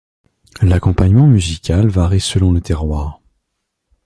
L'accompagnement musical varie selon les terroirs.